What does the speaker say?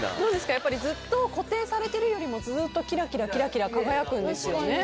やっぱりずっと固定されてるよりずっとキラキラ輝くんですよね。